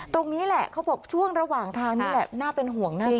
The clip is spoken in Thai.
ตรงนี้แหละเขาบอกช่วงระหว่างทางนี่แหละน่าเป็นห่วงมาก